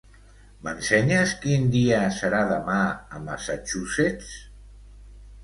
M'ensenyes quin dia serà demà a Massachusetts?